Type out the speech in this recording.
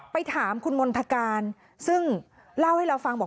ถามคุณมณฑการซึ่งเล่าให้เราฟังบอก